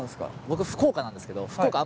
僕福岡なんですけど福岡